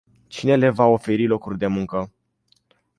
Cine le va oferi locuri de muncă?